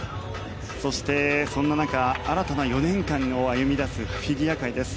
そして、そんな中新たな４年間を歩みだすフィギュア界です。